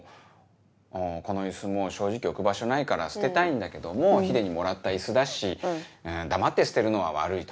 このイス正直置く場所ないから捨てたいんだけどもヒデにもらったイスだし黙って捨てるのは悪いと。